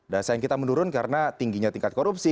dasar yang kita menurun karena tingginya tingkat korupsi